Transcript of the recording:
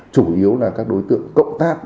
chủ yếu là các đối tượng cộng tác